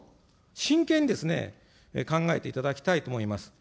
真剣にですね、考えていただきたいと思います。